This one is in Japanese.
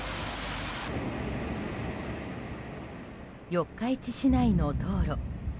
四日市市内の道路。